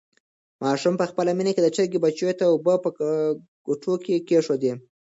ماشوم په خپله مینه د چرګې بچیو ته اوبه په کټو کې کېښودې.